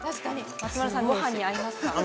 松丸さんご飯に合います？